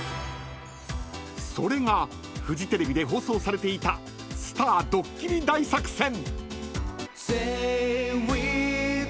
［それがフジテレビで放送されていた『スターどっきり大作戦』］